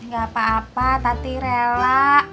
gak apa apa tapi rela